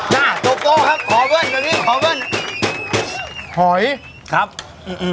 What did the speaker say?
น่ะโจโก้ครับขอเพื่อนขอเพื่อนขอเพื่อนหอยครับอืมอืม